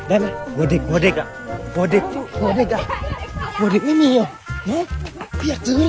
หัวเด็กหัวเด็ก